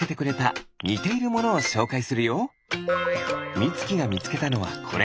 みつきがみつけたのはこれ。